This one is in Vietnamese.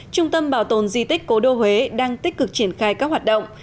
trung tâm bảo tồn di tích cố đô huế đang tích cực triển khai các hoạt động